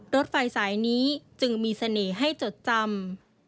รถไฟสายนี้จึงมีเสน่ห์ให้จดจำ